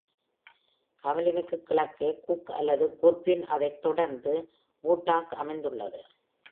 Hamlinக்கு கிழக்கே Cook, அடுத்து Goodwin, அதைத் தொடர்ந்து Woodard அமைந்துள்ளது.